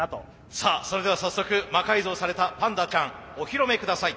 さあそれでは早速魔改造されたパンダちゃん御披露目ください。